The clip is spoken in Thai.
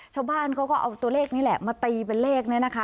ชาวบ้านเขาก็เอาตัวเลขนี้แหละมาตีเป็นเลขเนี่ยนะคะ